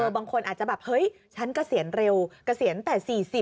บางคนอาจจะแบบเฮ้ยฉันเกษียณเร็วเกษียณแต่๔๐